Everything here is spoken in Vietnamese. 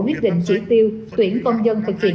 biết định chỉ tiêu tuyển công dân thực hiện